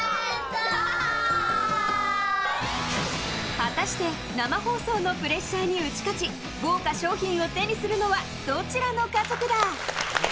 果たして生放送のプレッシャーに打ち勝ち豪華賞品を手にするのはどちらの家族だ？